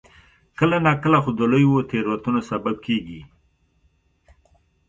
کله ناکله خو د لویو تېروتنو سبب کېږي.